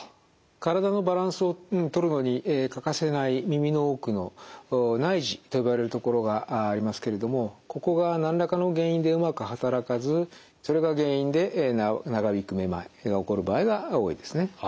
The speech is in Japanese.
体のバランスをとるのに欠かせない耳の奥の内耳と呼ばれるところがありますけれどもここが何らかの原因でうまく働かずそれが原因で長引くめまいが起こる場合が多いですね。